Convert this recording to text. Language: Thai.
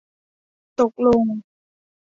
ตกลง